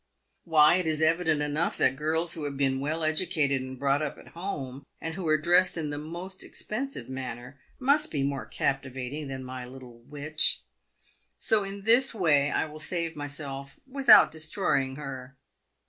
Why, it is evident enough that girls who have been well educated and brought up at home, and who are dressed in the most expensive manner, must be more captivating than my little witch. So in this way I will save myself without destroying her.